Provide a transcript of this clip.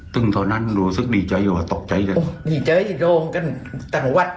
ตึงตอนนั้นดูซึ่งดีใจตกใจกันโอ้ยดีใจโด่งกันตั้งวัด